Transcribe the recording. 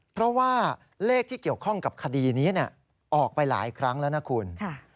เพราะว่าเลขที่เกี่ยวข้องกับคดีนี้ออกไปหลายครั้งแล้วนะคุณ